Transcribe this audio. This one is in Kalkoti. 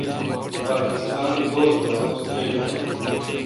پاکستان دوس پہ دوس ترجون۔